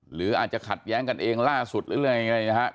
หรืออาจจะขัดแย้งกันเองล่าสุดหรือยังไงนะครับ